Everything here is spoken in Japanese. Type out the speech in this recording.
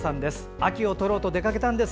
秋を撮ろうと出かけたんです。